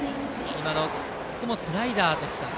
ここもスライダーでした。